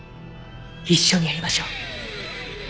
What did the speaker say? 一緒にやりましょう。